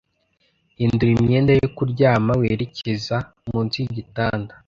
Hindura imyenda yo kuryama werekeza munsi yigitanda,